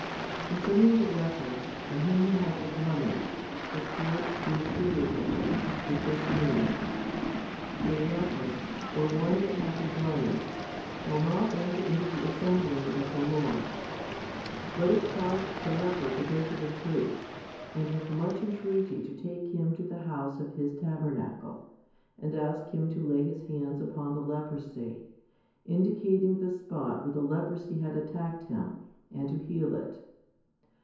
Concerning the leper, and him who has a blemish, the Spirit speaks figuratively, with this meaning ; A leper, or one that hath a blemish, shall not enter into the assembly of the Lord ; l but it charged the leper to go to the priest, and with much entreaty to take him to the house of his tabernacle, and [ask him] to lay his hands upon the leprosy, indicating the spot where the leprosy had attacked him, and to heal it.